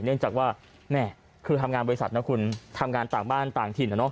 เนื่องจากว่าแม่คือทำงานบริษัทนะคุณทำงานต่างบ้านต่างถิ่น